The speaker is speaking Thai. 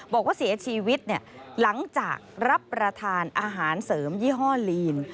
บอกว่าเสียชีวิตหลังจากรับประทานอาหารเสริมยี่ห้อลีน